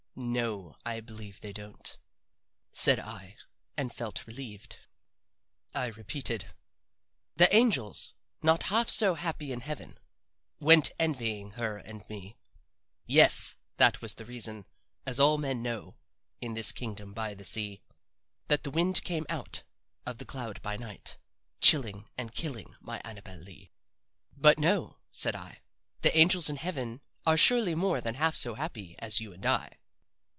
"No, I believe they don't," said I, and felt relieved. I repeated: "'The angels, not half so happy in heaven, Went envying her and me, Yes! that was the reason, (as all men know In this kingdom by the sea,) That the wind came out of the cloud by night, Chilling and killing my Annabel Lee.' But no," said I; "the angels in heaven are surely more than half so happy as you and I."